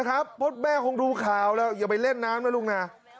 นะครับเพราะแม่คงดูข่าวว่าอย่าไปเล่นน้ำเหรอลูกน่ะ